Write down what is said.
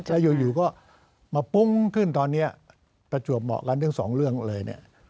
แล้วอยู่ก็มาปุ้งขึ้นตอนนี้ประจวบเหมาะกันทั้งสองเรื่องเลยเนี่ย